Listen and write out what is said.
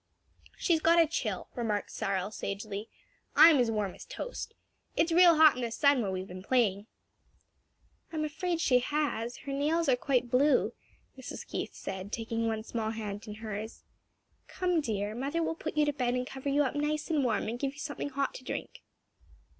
"She's got a chill," remarked Cyril sagely. "I'm as warm as toast. It's real hot in the sun where we've been playing." "I'm afraid she has; her nails are quite blue," Mrs. Keith said, taking one small hand in hers. "Come, dear; mother will put you to bed and cover you up nice and warm, and give you something hot to drink."